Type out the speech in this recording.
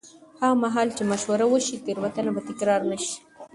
هغه مهال چې مشوره وشي، تېروتنه به تکرار نه شي.